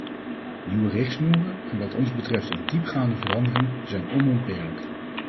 Nieuwe richtsnoeren - en wat ons betreft een diepgaande verandering - zijn onontbeerlijk.